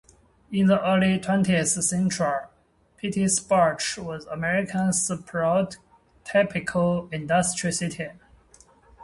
In the early twentieth century Pittsburgh was America's prototypical industrial city.